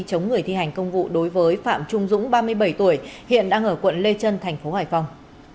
để thi hành công vụ đối với phạm trung dũng ba mươi bảy tuổi hiện đang ở quận lê trân tp hải phòng